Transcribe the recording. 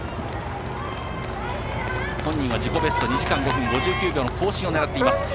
本人は自己ベスト２時間５分５９秒の更新を狙っています。